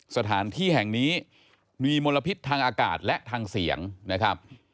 สถานที่แห่งนี้มีมลพิษทางอากาศและทางเสียงนะครับ